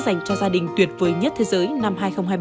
dành cho gia đình tuyệt vời nhất thế giới năm hai nghìn hai mươi ba